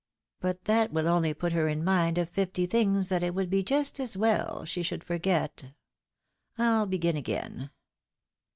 But that will only put her in mind of fifty things that it would be just as well she should forget. I'll begin again."